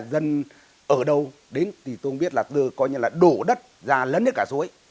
dân ở đâu đến thì tôi không biết là đổ đất ra lấn hết cả suối